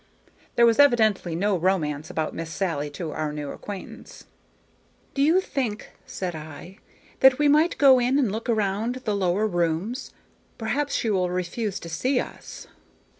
There was evidently no romance about Miss Sally to our new acquaintance. "Do you think," said I, "that we might go in and look around the lower rooms? Perhaps she will refuse to see us."